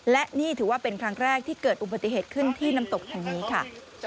และนี่ถือว่าเป็นครั้งแรกที่เกิดอุบัติเหตุขึ้นที่น้ำตกแห่งนี้ค่ะ